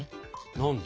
何で？